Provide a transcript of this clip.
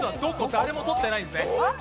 誰も取ってないんですね。